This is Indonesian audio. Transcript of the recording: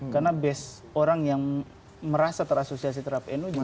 karena base orang yang merasa terasosiasi terhadap nu juga